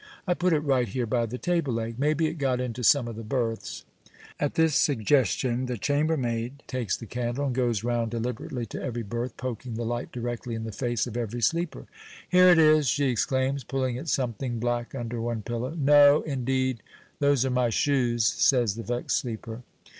"I put it right here by the table leg; maybe it got into some of the berths." At this suggestion, the chambermaid takes the candle, and goes round deliberately to every berth, poking the light directly in the face of every sleeper. "Here it is," she exclaims, pulling at something black under one pillow. "No, indeed, those are my shoes," says the vexed sleeper.